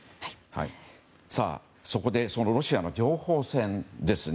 そこでロシアの情報戦ですね。